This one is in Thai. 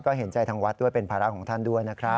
ก็เห็นใจทางวัดด้วยเป็นภาระของท่านด้วยนะครับ